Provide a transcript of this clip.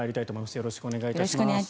よろしくお願いします。